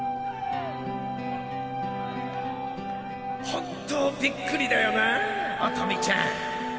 本当びっくりだよなァ音美ちゃん。